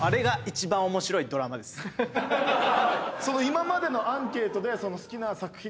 今までのアンケートで好きな作品何ですか？